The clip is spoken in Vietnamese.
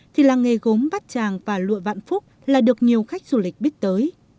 thì làng nghề gốm bát tràng và lụa vạn phúc là được nhiều khách du lịch biết tới